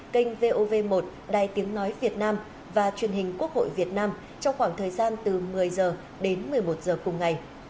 kênh vov một đài tiếng nói việt nam và truyền hình quốc hội việt nam trong khoảng thời gian từ một mươi h đến một mươi một h cùng ngày